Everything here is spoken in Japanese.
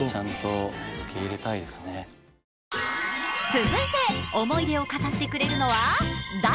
続いて思い出を語ってくれるのは「大！